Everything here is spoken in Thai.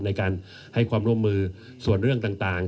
ในการให้ความร่วมมือส่วนเรื่องต่าง